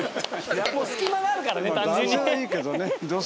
いやもう隙間があるからね単純に。